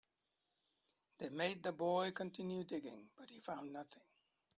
They made the boy continue digging, but he found nothing.